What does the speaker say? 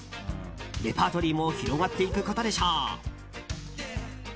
レパートリーも広がっていくことでしょう。